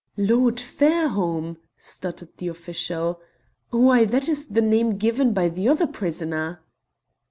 "Lord Fairholme!" stuttered the official. "Why, that is the name given by the other prisoner."